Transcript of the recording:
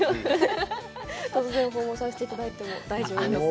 突然、訪問させていただいても大丈夫です。